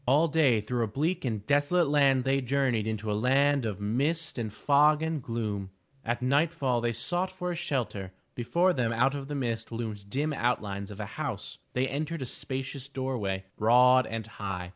All day through a bleak and desolate land they journeyed into a land of mist and fog and gloom. At nightfall they sought for a shelter. Before them out of the mist loomed dim outlines of a house. They entered a spacious door way, broad and high.